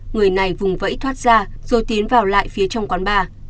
người này vùng vẫy thoát ra rồi tiến vào lại phía trong quán bar